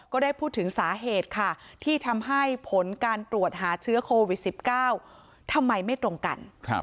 ก็ได้พูดถึงสาเหตุค่ะที่ทำให้ผลการตรวจหาเชื้อโควิด๑๙ทำไมไม่ตรงกัน